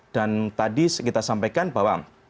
dan tadi kita sampaikan bahwa